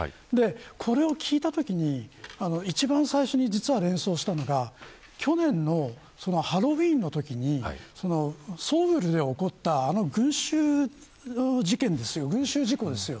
これを聞いたときに一番最初に連想したのが去年のハロウィンのときにソウルで起こったあの群衆事故ですよ。